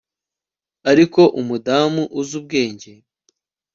Ariko umudamu uzi ubwenge